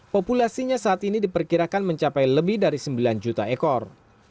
populasinya saat ini diperkirakan mencapai lebih dari sembilan juta ekor